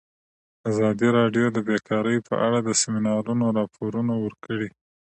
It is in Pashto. ازادي راډیو د بیکاري په اړه د سیمینارونو راپورونه ورکړي.